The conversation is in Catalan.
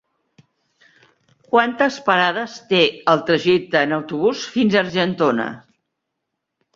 Quantes parades té el trajecte en autobús fins a Argentona?